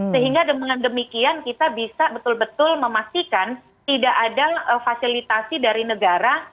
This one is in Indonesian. sehingga dengan demikian kita bisa betul betul memastikan tidak ada fasilitasi dari negara